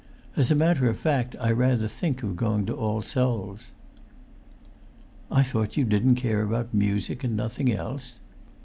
As a matter of fact I rather think of going to All Souls'." "I thought you didn't care about music and nothing else?"